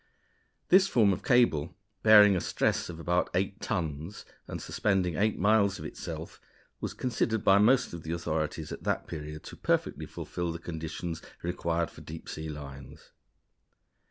This form of cable, bearing a stress of about eight tons, and suspending eleven miles of itself, was considered by most of the authorities at that period to perfectly fulfil the conditions required for deep sea lines.